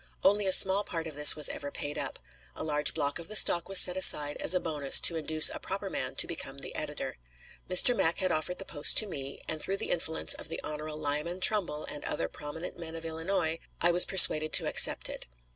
Only a small part of this was ever paid up; a large block of the stock was set aside as a bonus to induce a proper man to become the editor. Mr. Mack had offered the post to me, and, through the influence of the Hon. Lyman Trumbull and other prominent men of Illinois, I was persuaded to accept it.